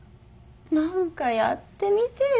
何かやってみてよ。